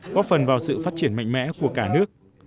góp phần vào sự phát triển mạnh mẽ của cả nước